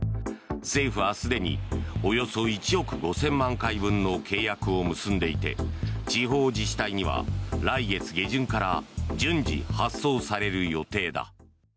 政府はすでにおよそ１億５０００万回分の契約を結んでいて地方自治体には来月下旬から順次発送される予定だ。